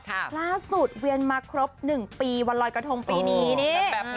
ล่าสุดเวียนมาครบ๑ปีวันลอยกระทงปีนี้นี่